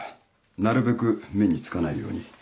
なるべく目につかないように。